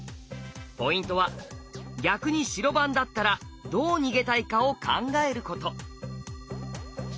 ポイントは逆に白番だったらどう逃げたいかを考えること。